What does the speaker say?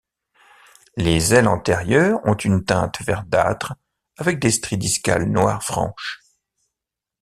Les ailes antérieures ont une teinte verdâtre avec des stries discales noires franches.